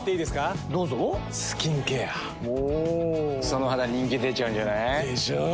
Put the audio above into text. その肌人気出ちゃうんじゃない？でしょう。